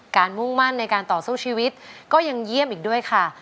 มุ่งมั่นในการต่อสู้ชีวิตก็ยังเยี่ยมอีกด้วยค่ะ